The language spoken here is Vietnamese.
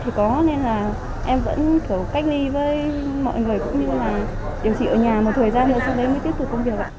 em vẫn kiểu cách ly với mọi người cũng như là điều trị ở nhà một thời gian nữa sau đấy mới tiếp tục công việc